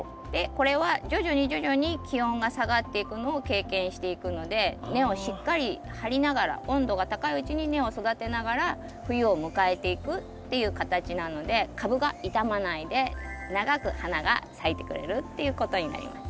これは徐々に徐々に気温が下がっていくのを経験していくので根をしっかり張りながら温度が高いうちに根を育てながら冬を迎えていくっていう形なので株が傷まないで長く花が咲いてくれるっていうことになります。